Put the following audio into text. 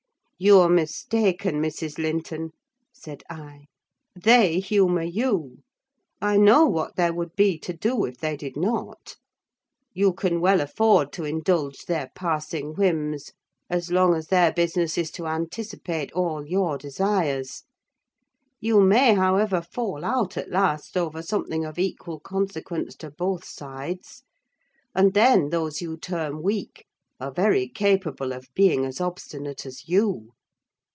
"You're mistaken, Mrs. Linton," said I. "They humour you: I know what there would be to do if they did not. You can well afford to indulge their passing whims as long as their business is to anticipate all your desires. You may, however, fall out, at last, over something of equal consequence to both sides; and then those you term weak are very capable of being as obstinate as you."